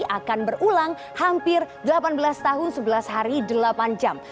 akan berulang hampir delapan belas tahun sebelas hari delapan jam